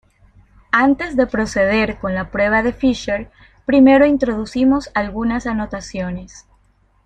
Antes de proceder con la prueba de Fisher, primero introducimos algunas anotaciones.